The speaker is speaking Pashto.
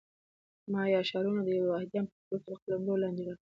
مایا ښارونه د یوې واحدې امپراتورۍ تر قلمرو لاندې رانغلل